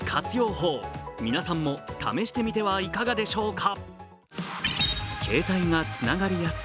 法皆さんも試してみてはいかがでしょうか。